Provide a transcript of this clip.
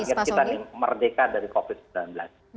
ini target kita merdeka dari covid sembilan belas